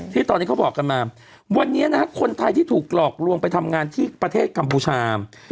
ที่ตอนนี้เขาบอกกันมาวันนี้นะฮะคนไทยที่ถูกหลอกลวงไปทำงานที่ประเทศกัมพูชา